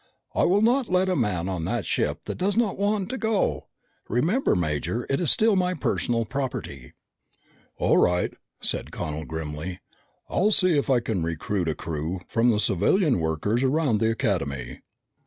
"I will not let a man on that ship that does not want to go. Remember, Major, it is still my personal property." "All right," said Connel grimly. "I'll see if I can recruit a crew from the civilian workers around the Academy."